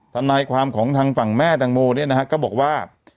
ทนายความของทางฝั่งแม่แตงโมเนี่ยนะฮะก็บอกว่า